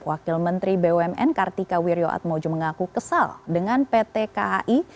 wakil menteri bumn kartika wirjoatmojo mengaku kesal dengan pt kai